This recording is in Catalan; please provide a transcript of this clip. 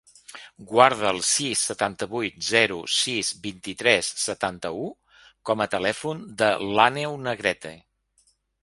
Guarda el sis, setanta-vuit, zero, sis, vint-i-tres, setanta-u com a telèfon de l'Àneu Negrete.